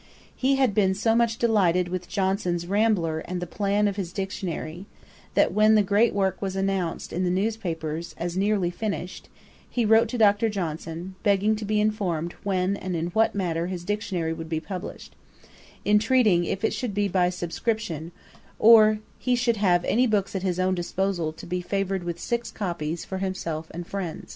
He had been so much delighted with Johnson's Rambler and the Plan of his Dictionary, that when the great work was announced in the news papers as nearly finished, he wrote to Dr. Johnson, begging to be informed when and in what manner his Dictionary would be published; intreating, if it should be by subscription, or he should have any books at his own disposal, to be favoured with six copies for himself and friends.